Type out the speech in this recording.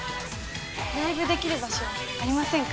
ライブできる場所ありませんか？